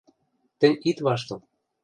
— Тӹнь ит ваштыл...